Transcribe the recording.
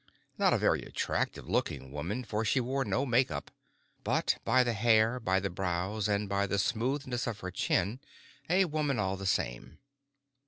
Not a very attractive looking woman, for she wore no makeup; but by the hair, by the brows and by the smoothness of her chin, a woman all the same.